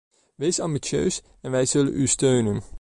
Wees ambitieus en wij zullen u steunen.